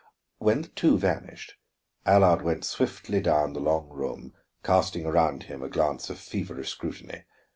When the two vanished, Allard went swiftly down the long room, casting around him a glance of feverish scrutiny.